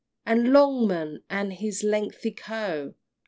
And Longman, and his lengthy Co.